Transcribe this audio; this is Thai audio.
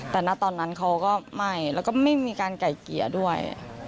แต่ณตอนนั้นเขาก็ไม่แล้วก็ไม่มีการไก่เกลี่ยด้วย